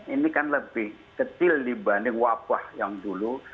ini kan lebih kecil dibanding wabah yang dulu